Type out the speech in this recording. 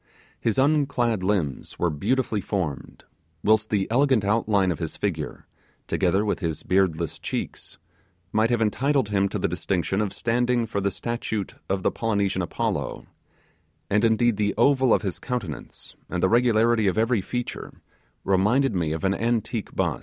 His unclad limbs were beautifully formed; whilst the elegant outline of his figure, together with his beardless cheeks, might have entitled him to the distinction of standing for the statue of the Polynesian Apollo; and indeed the oval of his countenance and the regularity of every feature reminded one of an antique bust.